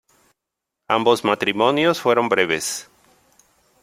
Ambos matrimonios fueron breves.